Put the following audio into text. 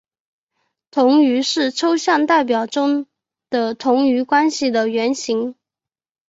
同余是抽象代数中的同余关系的原型。